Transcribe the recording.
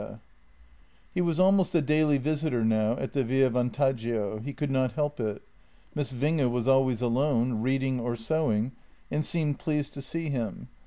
As he was taking off his 76 JENNY He was almost a daily visitor now at the Via Vantaggio; he could not help it. Miss Winge was always alone, reading or sewing, and seemed pleased to see him.